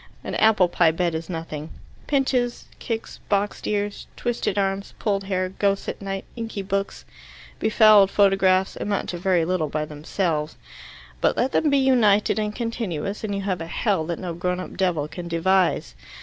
An apple pie bed is nothing; pinches, kicks, boxed ears, twisted arms, pulled hair, ghosts at night, inky books, befouled photographs, amount to very little by themselves. But let them be united and continuous, and you have a hell that no grown up devil can devise.